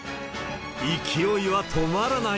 勢いは止まらない。